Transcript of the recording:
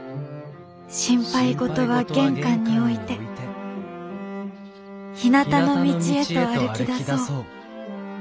「心配事は玄関に置いてひなたの道へと歩きだそう。